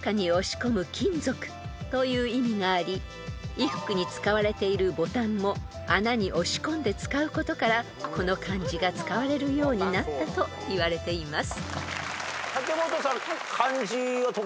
［衣服に使われているボタンも穴に押し込んで使うことからこの漢字が使われるようになったといわれています］